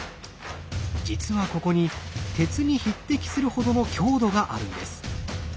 実はここに鉄に匹敵するほどの強度があるんです。